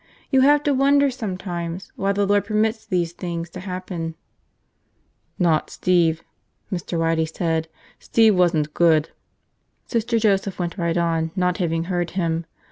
You have to wonder, sometimes, why the Lord permits these things to happen." "Not Steve," Mr. Waddy said. "Steve wasn't good." Sister Joseph went right on, not having heard him.